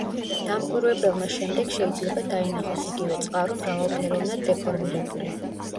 დამკვირვებელმა შემდეგ შეიძლება დაინახოს იგივე წყარო მრავალფეროვნად დეფორმირებული.